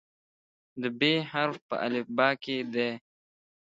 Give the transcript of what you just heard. د "ب" حرف په الفبا کې دی.